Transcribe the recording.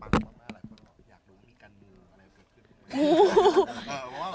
บางทีเค้าแค่อยากดึงเค้าต้องการอะไรจับเราไหล่ลูกหรือยังไง